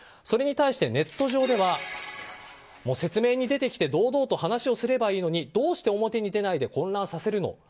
それに対してネット上では説明に出てきて堂々と話をすればいいのにどうして表に出ないで混乱させるの？